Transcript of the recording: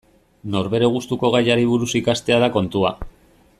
Norbere gustuko gaiari buruz ikastea da kontua.